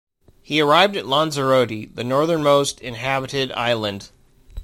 He arrived at Lanzarote, the northernmost inhabited island.